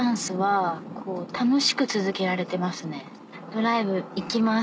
ドライブ行きます。